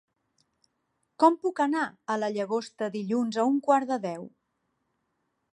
Com puc anar a la Llagosta dilluns a un quart de deu?